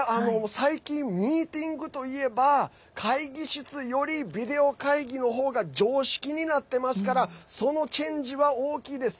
最近ミーティングといえば会議室よりビデオ会議の方が常識になっていますからそのチェンジは大きいです。